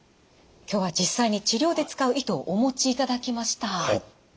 今日は実際に治療で使う糸をお持ちいただきました。